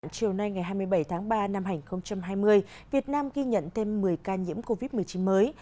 chiều nay ngày hai mươi bảy tháng ba năm hai nghìn hai mươi việt nam ghi nhận thêm một mươi ca nhiễm covid một mươi chín mới